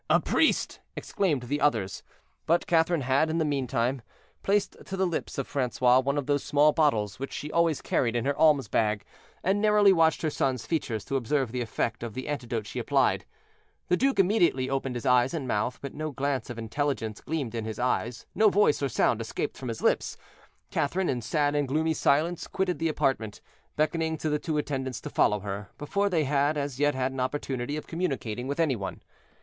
"A priest!" exclaimed the others. But Catherine had, in the meantime, placed to the lips of Francois one of the small bottles which she always carried in her alms bag, and narrowly watched her son's features to observe the effect of the antidote she applied. The duke immediately opened his eyes and mouth, but no glance of intelligence gleamed in his eyes, no voice or sound escaped from his lips. Catherine, in sad and gloomy silence, quitted the apartment, beckoning to the two attendants to follow her, before they had as yet had an opportunity of communicating with any one.